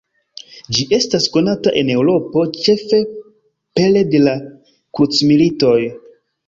Ĝi estis konata en Eŭropo ĉefe pere de la krucmilitoj.